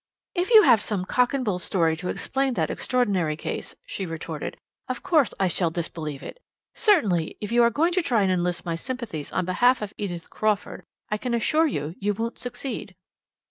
"If you have some cock and bull story to explain that extraordinary case," she retorted, "of course I shall disbelieve it. Certainly, if you are going to try and enlist my sympathies on behalf of Edith Crawford, I can assure you you won't succeed."